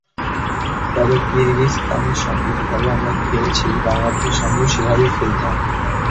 তবে কিরগিজস্তানের সঙ্গে যেভাবে আমরা খেলেছি বাংলাদেশের সঙ্গেও সেভাবেই খেলতে হবে।